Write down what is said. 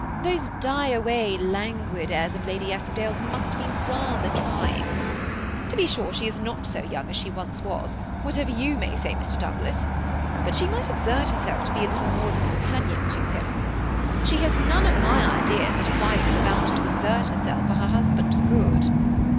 Those die away, languid airs of Lady Eskdale's must be rather trying. To be sure, she is not so young as she was, whatever you may say, Mr. Douglas ; but she might exert herself to be a little more of a companion to him. She has none of my ideas that a wife is bound to exert herself for her husband's good."